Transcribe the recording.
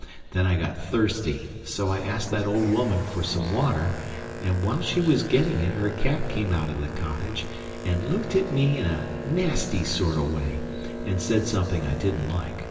Then I got thirsty, so I asked that old woman for some water, and while she was getting it her cat came out of the cottage, and looked at me in a nasty sort of way, and said something I didn't like.